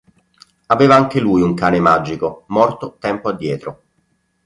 Aveva anche lui un cane magico, morto tempo addietro.